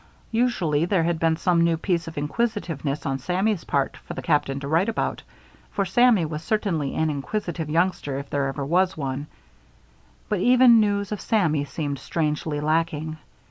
Usually there had been some new piece of inquisitiveness on Sammy's part for the Captain to write about; for Sammy was certainly an inquisitive youngster if there ever was one; but even news of Sammy seemed strangely lacking.